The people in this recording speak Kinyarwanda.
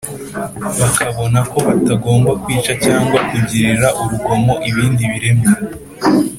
bakabona ko batagomba kwica cyangwa kugirira urugomo ibindi biremwa